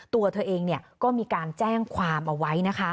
ตัวเธอเองก็มีการแจ้งความเอาไว้นะคะ